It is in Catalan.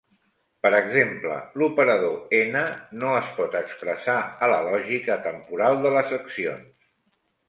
Per exemple, l'operador N no es pot expressar a la lògica temporal de les accions.